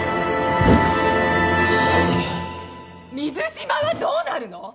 水島はどうなるの！？